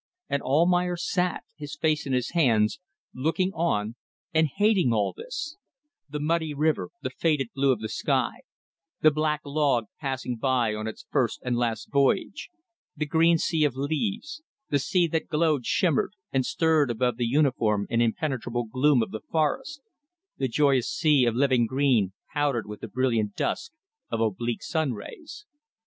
And Almayer sat, his face in his hands, looking on and hating all this: the muddy river; the faded blue of the sky; the black log passing by on its first and last voyage; the green sea of leaves the sea that glowed shimmered, and stirred above the uniform and impenetrable gloom of the forests the joyous sea of living green powdered with the brilliant dust of oblique sunrays.